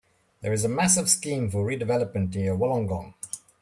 There is a massive scheme for redevelopment near Wollongong.